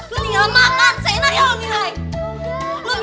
lu tinggal makan se enaknya lu nilai